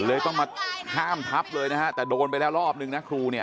เลยต้องมาห้ามทับเลยนะฮะแต่โดนไปแล้วรอบนึงนะครูเนี่ย